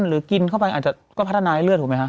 หรือกินเข้าไปก็พัฒนาให้เลือดถูกมั้ยคะ